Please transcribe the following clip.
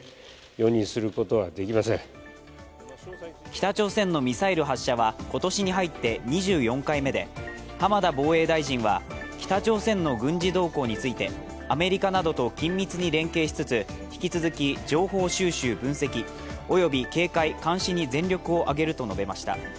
北朝鮮のミサイル発射は今年に入って２４回目で浜田防衛大臣は北朝鮮の軍事動向について、アメリカなどと緊密に連携しつつ引き続き情報収集分析および警戒監視に全力を挙げると述べました。